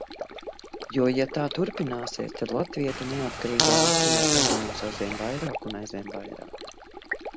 Jo, ja tā turpināsies, tad latvieti neatkarīgā Latvijā pazemos aizvien vairāk un aizvien vairāk.